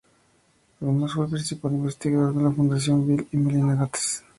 Además fue el principal investigador de la Fundación Bill y Melinda Gates.